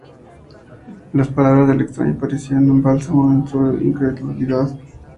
Las palabras del extraño parecían un bálsamo a su incredulidad.